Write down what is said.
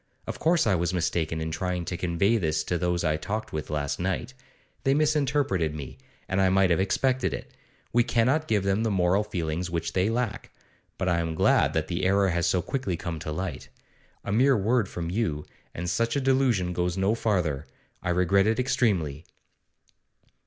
Of course I was mistaken in trying to convey this to those I talked with last night; they misinterpreted me, and I might have expected it. We cannot give them the moral feelings which they lack. But I am glad that the error has so quickly come to light. A mere word from you, and such a delusion goes no farther. I regret it extremely.